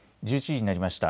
１１時になりました。